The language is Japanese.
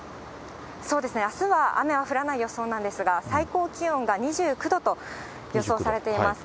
あすは雨は降らない予想なんですが、最高気温が２９度と予想されています。